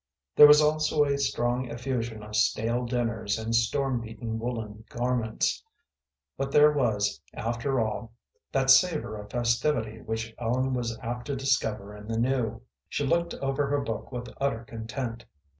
There was also a strong effusion of stale dinners and storm beaten woollen garments, but there was, after all, that savor of festivity which Ellen was apt to discover in the new. She looked over her book with utter content.